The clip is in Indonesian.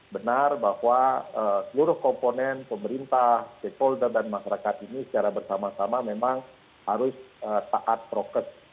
benar bahwa seluruh komponen pemerintah stakeholder dan masyarakat ini secara bersama sama memang harus taat proket